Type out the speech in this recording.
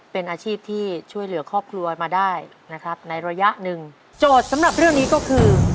เป็นอาชีพที่ช่วยเหลือครอบครัวมาได้นะครับในระยะหนึ่งโจทย์สำหรับเรื่องนี้ก็คือ